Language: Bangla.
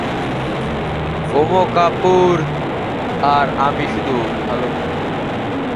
ওম কাপুর আর আমি শুধু ভাল বন্ধু।